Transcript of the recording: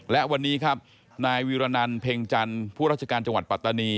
และวันนี้ครับนายวิรนันเพ็งจันทร์ผู้ราชการจังหวัดปัตตานี